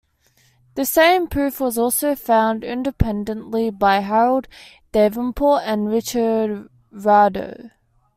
The same proof was also found independently by Harold Davenport and Richard Rado.